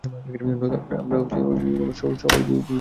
নয়তো আমরা সবাই বিপদে পড়ে যাব!